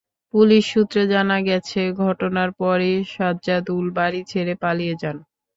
Police সূত্রে জানা গেছে, ঘটনার পরই সাজ্জাদুল বাড়ি ছেড়ে পালিয়ে যান।